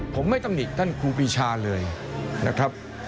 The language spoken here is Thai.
ผมไม่ตำหนิท่านครูปีชาเลยนะครับ